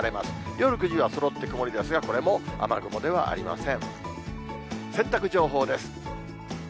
夜９時はそろって曇りですが、これも雨雲ではありません。